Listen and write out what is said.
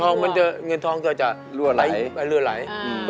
เงินทองจะลือไหล